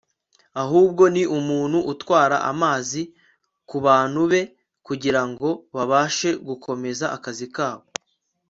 ahubwo ni umuntu utwara amazi kubantu be kugirango babashe gukomeza akazi kabo